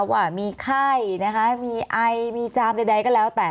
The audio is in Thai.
ว่ามีไข้นะคะมีไอมีจามใดก็แล้วแต่